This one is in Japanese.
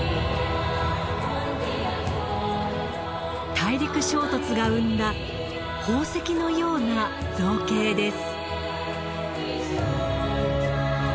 大陸衝突が生んだ宝石のような造形です。